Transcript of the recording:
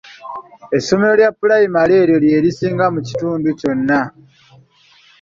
Essomero lya pulayimale eryo lye lisinga mu kitundu kyonna.